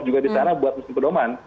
juga di sana buat pendoman